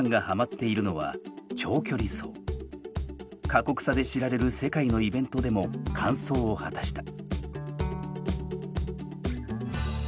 過酷さで知られる世界のイベントでも完走を果たした。